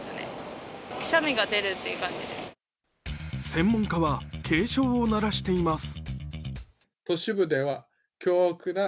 専門家は警鐘を鳴らしています。